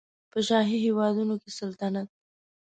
په شاهي هېوادونو کې سلطنت